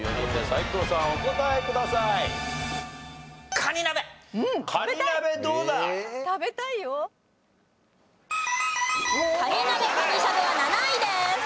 カニ鍋カニしゃぶは７位です。